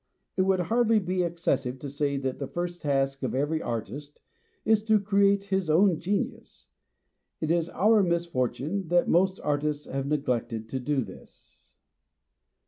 It would hardly be excessive to say that the first task of every artist is to create his own genius ; it is our misfortune that most artists have neglected to do this.